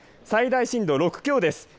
最大震度６強です。